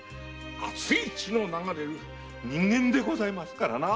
熱い血の流れる人間でございますからな！